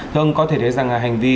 thưa ông có thể thấy rằng hành vi